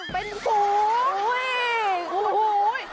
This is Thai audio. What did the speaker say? เป็นภูมิ